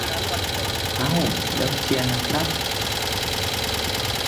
เอ้า ! แล้วเทียนล่ะครับ !